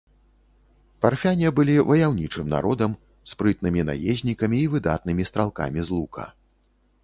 Парфяне былі ваяўнічым народам, спрытнымі наезнікамі і выдатнымі стралкамі з лука.